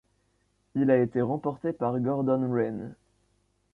Il a été remporté par Gordon Wren.